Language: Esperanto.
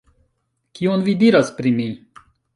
Kion vi diras pri mi?